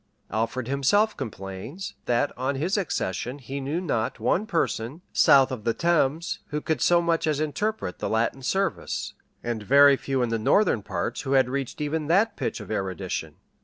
Alfred himself complains, that on his accession he knew not one person, south of the Thames, who could so much as interpret the Latin service, and very few in the northern parts who had reached even that pitch of erudition.